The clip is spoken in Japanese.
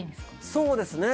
そうですね